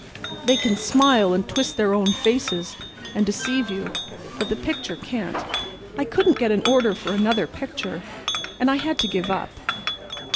They can smile and twist their own faces and deceive you, but the picture can't. I couldn't get an order for another picture, and I had to give up.